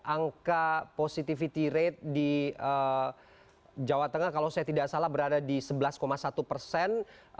angka positivity rate di jawa tengah kalau saya tidak salah berada di sebelas satu persen